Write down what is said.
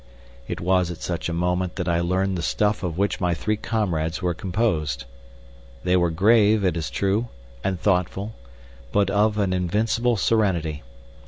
It was at such a moment that I learned the stuff of which my three comrades were composed. They were grave, it is true, and thoughtful, but of an invincible serenity.